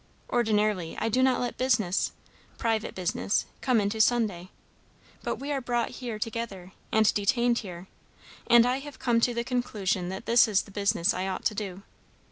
Ordinarily I do not let business private business come into Sunday. But we are brought here together, and detained here, and I have come to the conclusion that this is the business I ought to do.